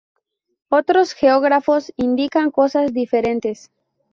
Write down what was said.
Otros geógrafos indican cosas diferentes.